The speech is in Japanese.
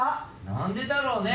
何でだろうね。